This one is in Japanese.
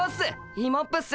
イモップっす。